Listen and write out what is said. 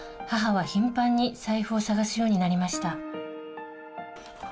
母は頻繁に財布を捜すようになりました